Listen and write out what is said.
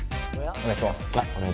お願いします。